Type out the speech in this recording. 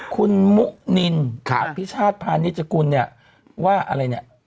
คุณมุนินอภิชาติพาณิชกุลเนี่ยว่าอะไรเนี่ย